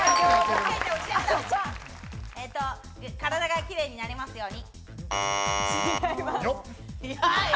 体が綺麗になりますように。